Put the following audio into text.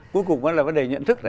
cuối cùng vẫn là vấn đề nhận thức này